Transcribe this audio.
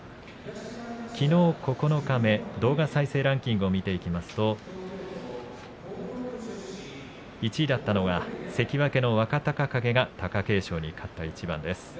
きのう、九日目の動画再生ランキングを見ていきますと１位だったのは関脇若隆景が貴景勝に勝った一番です。